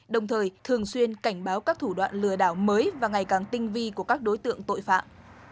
đồng thời thường xuyên cảnh báo các thủ đoạn lừa đảo mới và ngày càng tinh vi của các đối tượng tội phạm